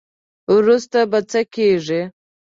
وروسته به څه کیږي.